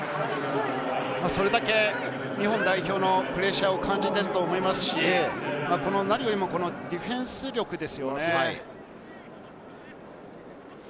それだけ日本代表のプレッシャーを感じていると思いますし、何よりもディフェンス力ですよね。